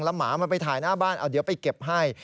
หมามันไปถ่ายหน้าบ้านเอาเดี๋ยวไปเก็บให้